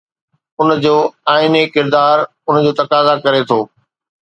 ان جو آئيني ڪردار ان جي تقاضا ڪري ٿو.